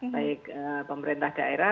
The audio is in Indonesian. baik pemerintah daerah